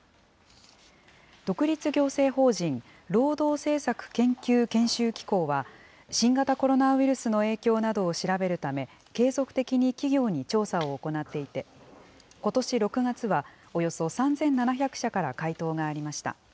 独立行政法人労働政策研究・研修機構は、新型コロナウイルスの影響などを調べるため、継続的に企業に調査を行っていて、ことし６月は、およそ３７００社から回答がありました。